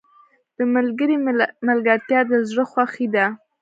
• د ملګري ملګرتیا د زړه خوښي ده.